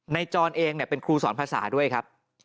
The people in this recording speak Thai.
ในจอนเองเนี่ยเป็นครูสอนภาษาด้วยครับ